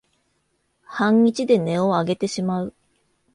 半日で音をあげてしまう